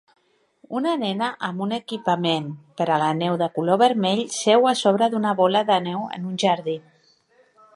Una nena amb un equipament per a la neu de color vermell seu a sobre d'una bola de neu en un jardí.